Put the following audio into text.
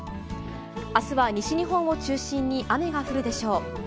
明日は西日本を中心に雨が降るでしょう。